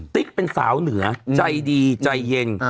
ติ๊กเป็นสาวเหนือใจดีใจเย็น